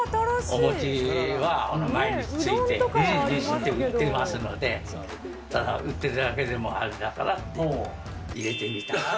お餅は毎日ついて売っていますので、ただ売ってるだけでもあれだからって、入れてみたと。